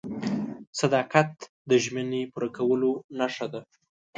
• صداقت د ژمنې پوره کولو نښه ده.